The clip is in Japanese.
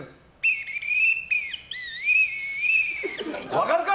分かるか！